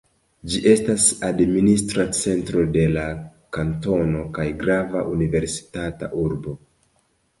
Ĝi estas administra centro de la kantono kaj grava universitata urbo.